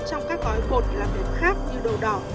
trong các gói bột làm đẹp khác như đậu đỏ